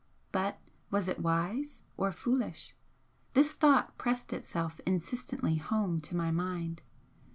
But was it wise? Or foolish? This thought pressed itself insistently home to my mind.